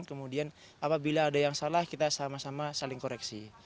kemudian apabila ada yang salah kita sama sama saling koreksi